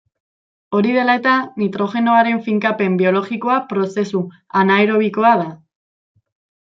Hori dela eta, nitrogenoaren finkapen biologikoa prozesu anaerobioa da.